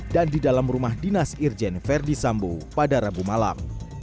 dan di dalam rumah dinas irjen verdi sambo pada rabu malam